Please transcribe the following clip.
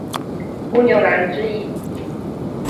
乌牛栏之役。